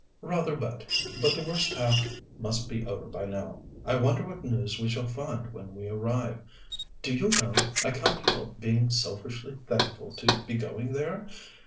"Rather wet, but the worst half must be over by now. I wonder what news we shall find when we arrive. Do you know, I can't help being selfishly thankful to be going there.